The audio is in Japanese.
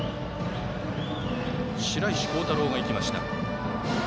白石航太郎が行きました。